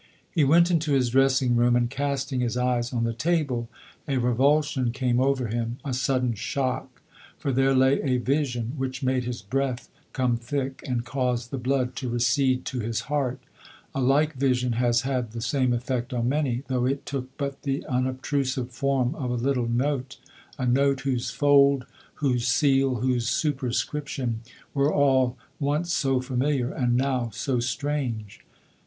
He went into his dressing room, and casting his eyes on the table, a revulsion came over him, a sudden shock — for there lay a vision, which made his breath come thick, and caused the blood to recede to his heart — a like vision has had I same effect on many, though it took but the i "obtrusive form of a little note — a note, whose fold, whose seal, whose superscription, were all once so familiar, and now so strange.